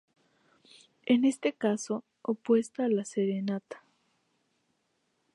En este caso, opuesta a la serenata.